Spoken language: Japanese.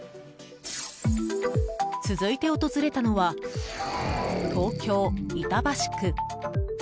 続いて訪れたのは東京・板橋区。